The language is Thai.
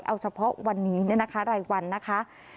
เอาเฉพาะวันนี้เนี่ยนะคะรายวันนะคะ